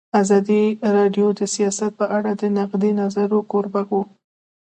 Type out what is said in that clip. ازادي راډیو د سیاست په اړه د نقدي نظرونو کوربه وه.